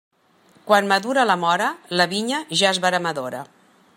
Quan madura la móra, la vinya ja és veremadora.